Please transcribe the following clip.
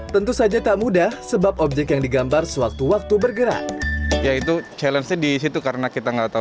tentu saja tak mudah sebab objek yang digambar sewaktu waktu bergerak